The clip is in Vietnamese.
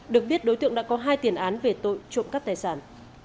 được biết đối tượng đã có hai tiền án về tội trộm cắp tài sản